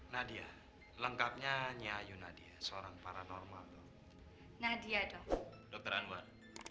nadia lengkapnya nyayu nadia seorang paranormal nadia dokter anwar